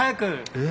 え？